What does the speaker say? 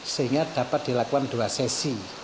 sehingga dapat dilakukan dua sesi